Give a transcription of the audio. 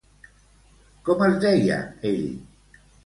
Com es deia ell?